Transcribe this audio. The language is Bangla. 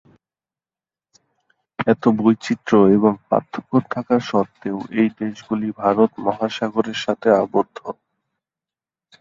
এত বৈচিত্র্য এবং পার্থক্য থাকা সত্ত্বেও এই দেশগুলি ভারত মহাসাগরের সাথে আবদ্ধ।